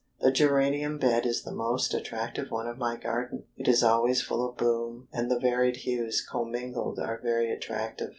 The geranium bed is the most attractive one of my garden. It is always full of bloom, and the varied hues commingled are very attractive.